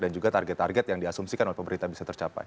dan juga target target yang diasumsikan oleh pemerintah bisa tercapai